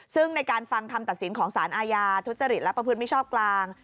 ซึ่งในการฟังคำตัดสินของสารอาญาทุจริตและประพฤติมิชชอบกลาง